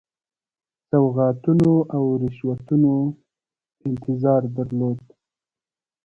سوغاتونو او رشوتونو انتظار درلود.